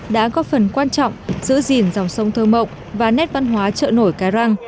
đã có phần quan trọng giữ gìn dòng sông thơ mộng và nét văn hóa chợ nổi cái răng